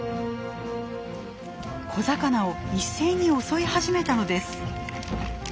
小魚を一斉に襲い始めたのです。